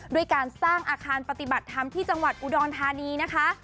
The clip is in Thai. ด้วยการสร้างอาคารปฏิบัติธรรมที่จังหวัดอุดรธานีนะคะ